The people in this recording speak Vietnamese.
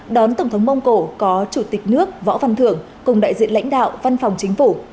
đón tổng thống mông cổ có chủ tịch nước võ văn thưởng cùng đại diện lãnh đạo văn phòng chính phủ